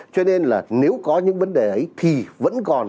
cho nên là nếu có những vấn đề ấy thì vẫn còn